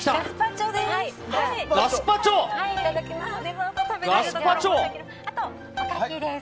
ガスパチョです。